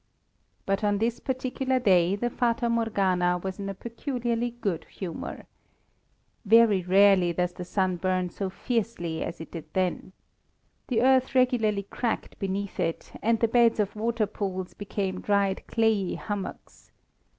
But on this particular day the Fata Morgana was in a peculiarly good humour. Very rarely does the sun burn so fiercely as it did then. The earth regularly cracked beneath it, and the beds of waterpools became dried clayey hummocks.